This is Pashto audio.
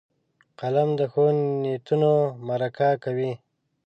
قلم د ښو نیتونو مرکه کوي